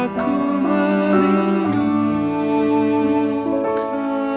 aku selalu menunggiku